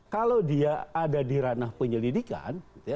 kalau dia ada di ranah penyelidikan